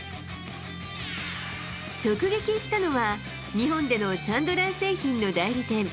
直撃したのは、日本でのチャンドラー製品の代理店。